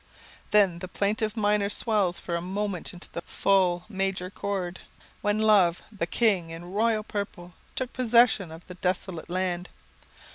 Then the plaintive minor swells for a moment into the full major chord, when Love, the King, in royal purple, took possession of the desolate land.